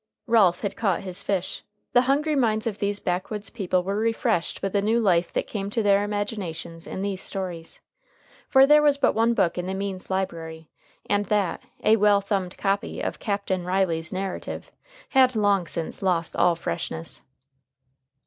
Ralph had caught his fish. The hungry minds of these backwoods people were refreshed with the new life that came to their imaginations in these stories. For there was but one book in the Means library, and that, a well thumbed copy of "Captain Riley's Narrative," had long since lost all freshness.